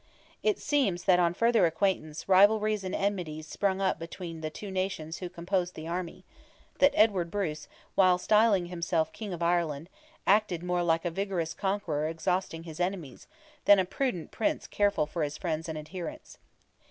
It seems that on further acquaintance rivalries and enmities sprung up between the two nations who composed the army; that Edward Bruce, while styling himself King of Ireland, acted more like a vigorous conqueror exhausting his enemies, than a prudent Prince careful for his friends and adherents.